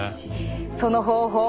その方法